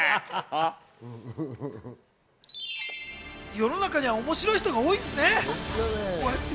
世の中には面白い人が多いですね。